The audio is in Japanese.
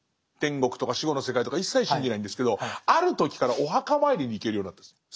天国とか死後の世界とか一切信じないんですけどある時からお墓参りに行けるようになったんです。